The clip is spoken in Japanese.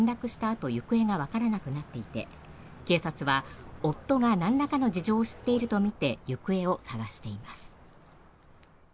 あと行方がわからなくなっていて警察は夫がなんらかの事情を知っているとみて行方を捜しています。